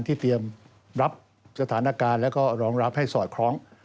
เตรียมรับสถานการณ์แล้วก็รองรับให้สอดคล้อง